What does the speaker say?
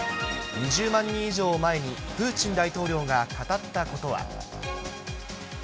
２０万人以上を前に、プーチン大統領が語ったことは。